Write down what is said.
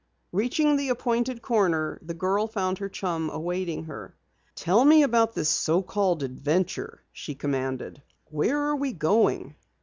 Reaching the appointed corner the girl found her chum awaiting her. "Tell me about this so called adventure," she commanded. "Where are we going?"